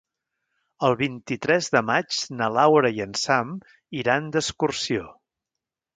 El vint-i-tres de maig na Laura i en Sam iran d'excursió.